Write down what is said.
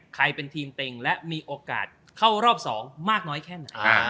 ใครเป็นทีมเต็งและมีโอกาสเข้ารอบ๒มากน้อยแค่ไหน